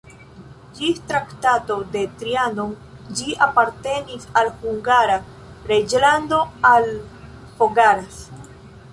Ĝis Traktato de Trianon ĝi apartenis al Hungara reĝlando, al Fogaras.